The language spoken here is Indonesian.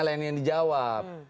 lain yang dijawab